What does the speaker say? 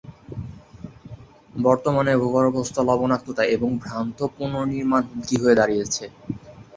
বর্তমানে, ভূগর্ভস্থ লবণাক্ততা এবং ভ্রান্ত পুনর্নির্মাণ হুমকি হয়ে দাঁড়িয়েছে।